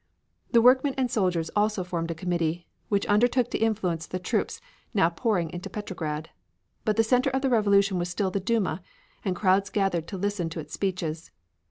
The workmen and soldiers also formed a committee, which undertook to influence the troops now pouring into Petrograd. But the center of the revolution was still the Duma, and crowds gathered to listen to its speeches.